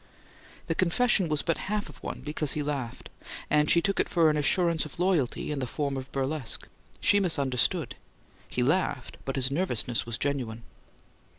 The confession was but half of one because he laughed; and she took it for an assurance of loyalty in the form of burlesque. She misunderstood: he laughed, but his nervousness was genuine.